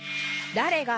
「だれが」